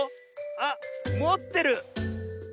あっもってる。